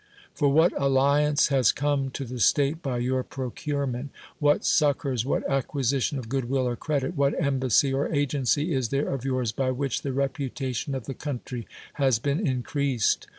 For what alliance has come to the state by your procurement? What succors, what acquisition of good will or credit? What embassy or agency is there of yours, by which the reputation of the country has been in creased?